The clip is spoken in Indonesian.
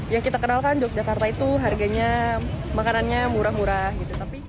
yang kita kenalkan yogyakarta itu harganya makanannya murah murah gitu